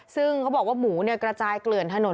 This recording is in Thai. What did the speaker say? ซึ่งเขาบอกว่าหมูกระจายเกลื่อนถนน